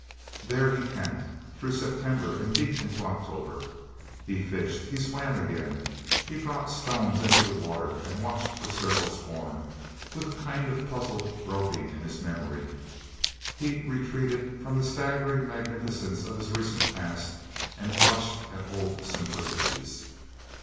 There he camped, through September, and deep into October. He fished, he swam again. He dropped stones into the water, and watched the circles form, with a kind of puzzled groping in his memory. He retreated from the staggering magnificence of his recent past and clutched at old simplicities.